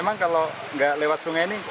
memang kalau tidak lewat sungai ini